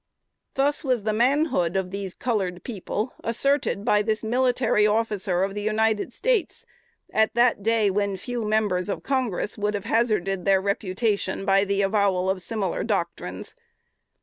Thus was the manhood of these colored people asserted by this military officer of the United States at that day, when few members of Congress would have hazarded their reputation by the avowal of similar doctrines.